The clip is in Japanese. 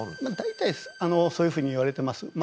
大体そういうふうに言われてます。